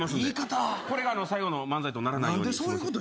これが最後の漫才とならないように。